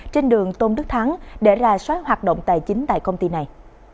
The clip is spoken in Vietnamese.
trên đường tôn đức thắng để ra soát hoạt động tài chính tại công ty này